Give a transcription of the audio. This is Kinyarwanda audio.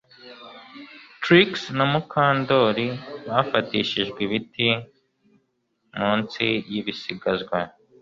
Trix na Mukandoli bafatishijwe ibiti munsi yibisigazwa